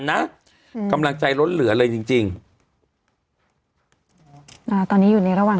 นะอืมกำลังใจล้นเหลือเลยจริงจริงอ่าตอนนี้อยู่ในระหว่าง